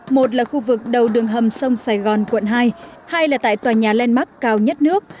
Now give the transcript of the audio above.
một là khu vực đầu đường hầm sông sài gòn quận hai hai là tại tòa nhà landmark cao nhất nước